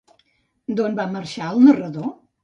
D'on va marxar el narrador?